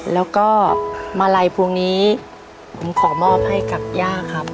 แล้วก็มาลัยพวงนี้ผมขอมอบให้กับย่าครับ